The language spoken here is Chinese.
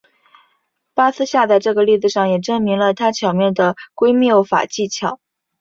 巴斯夏在这个例子上也证明了他巧妙的归谬法技巧。